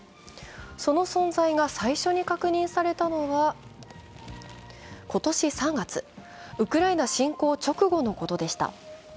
その存在が最初に確認されたのは、今年３月、ウクライナ侵攻直後のことでした。